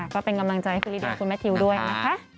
ก็เป็นกำลังใจคุณแมททิวด้วยนะคะ